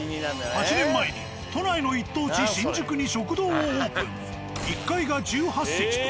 ８年前に都内の一等地新宿に食堂をオープン。